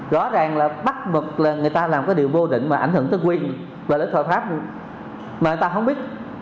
rõ ràng là bắt buộc là người ta làm cái điều vô định mà ảnh hưởng tới quyền và lễ thỏa pháp mà người ta không biết